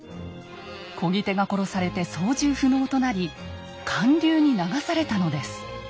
こぎ手が殺されて操縦不能となり還流に流されたのです。